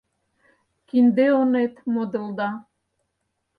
Кинде онет модылда.